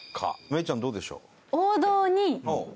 芽郁ちゃんどうでしょう？